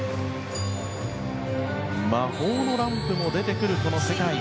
魔法のランプも出てくるこの世界。